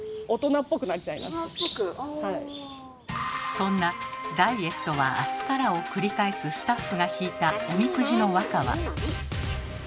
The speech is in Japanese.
そんな「ダイエットは明日から」を繰り返すスタッフが引いたおみくじの和歌は。